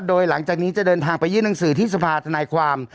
โดยหลังจากนี้จะเดินทางไปยื่นหนังสือที่สภาธนายความ